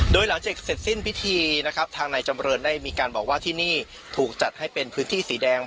โดยหลังจากเสร็จสิ้นพิธีนะครับทางนายจำเรินได้มีการบอกว่าที่นี่ถูกจัดให้เป็นพื้นที่สีแดง